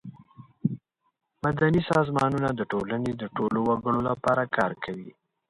مدني سازمانونه د ټولنې د ټولو وګړو لپاره کار کوي.